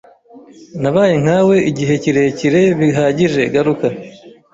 Nabaye nkawe igihe kirekire bihagije garuka